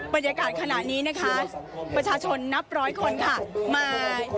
บรรยากาศขณะนี้นะคะประชาชนนับร้อยคนค่ะมา